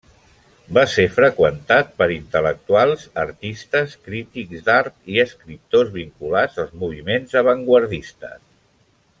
Va ser freqüentat per intel·lectuals, artistes, crítics d'art i escriptors vinculats als moviments avantguardistes.